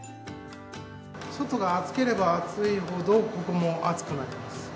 外が暑ければ暑いほど、ここも暑くなります。